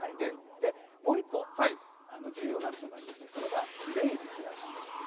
もう１個重要なアクションがありましてそれがレイズです。